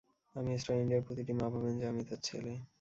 আমি স্টার, ইন্ডিয়ার প্রতিটি মা ভাবেন যে আমি তার ছেলে।